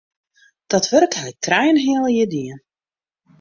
Dat wurk haw ik trije en in heal jier dien.